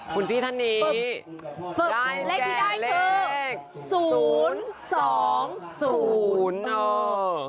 คุณพี่ธันนีปุ๊บได้เลขเลขที่ได้คือ๐๒๐อ่า